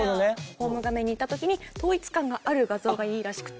ホーム画面にいった時に統一感がある画像がいいらしくて。